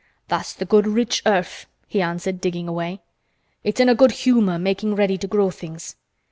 "That's th' good rich earth," he answered, digging away. "It's in a good humor makin' ready to grow things.